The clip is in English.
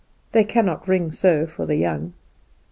They cannot ring so for the young."